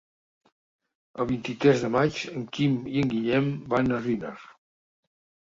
El vint-i-tres de maig en Quim i en Guillem van a Riner.